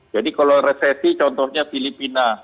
jadi kalau resesi contohnya filipina